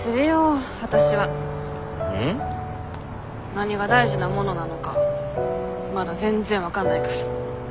何が大事なものなのかまだ全然分かんないから。